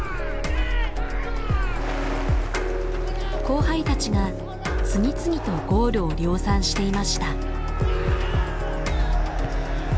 後輩たちが次々とゴールを量産していました。